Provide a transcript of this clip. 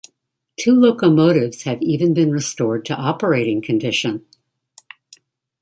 Two locomotives have even been restored to operating condition.